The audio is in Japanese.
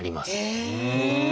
へえ！